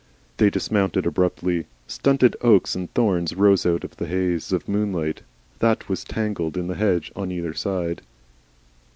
They dismounted abruptly. Stunted oaks and thorns rose out of the haze of moonlight that was tangled in the hedge on either side.